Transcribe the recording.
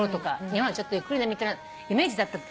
日本はちょっとゆっくりみたいなイメージだった。